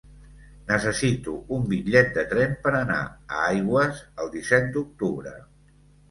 Necessito un bitllet de tren per anar a Aigües el disset d'octubre.